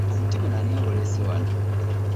Obuti buno ani abuleese wano?